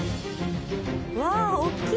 うわあ大きい！